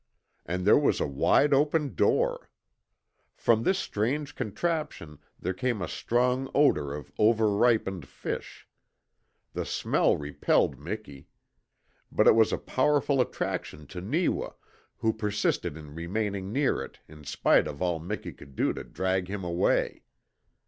And there was a wide open door. From this strange contraption there came a strong odour of over ripened fish. The smell repelled Miki. But it was a powerful attraction to Neewa, who persisted in remaining near it in spite of all Miki could do to drag him away.